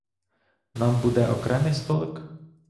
Нам буде окремий столик?